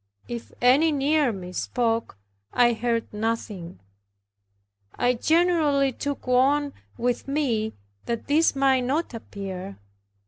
If any near me spoke, I heard nothing. I generally took one with me, that this might not appear.